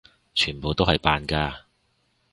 全部都係扮㗎！